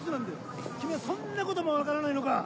君はそんなことも分からないのか！